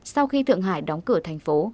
sau khi thượng hải đóng cửa thành phố